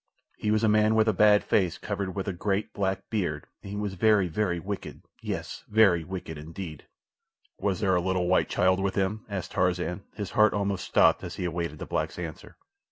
"He was a man with a bad face, covered with a great, black beard, and he was very, very wicked—yes, very wicked indeed." "Was there a little white child with him?" asked Tarzan, his heart almost stopped as he awaited the black's answer.